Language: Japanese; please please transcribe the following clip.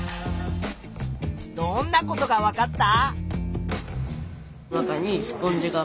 どんなことがわかった？